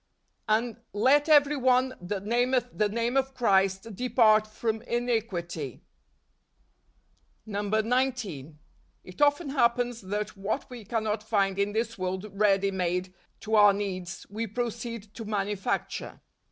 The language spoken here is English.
" And, let every one that nameth the name of Christ depart from iniquity 19. It often happens that what we cannot find in this world ready made to £>ur needs, we proceed to manufacture.